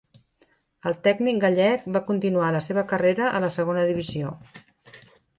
El tècnic gallec va continuar la seva carrera a la Segona Divisió.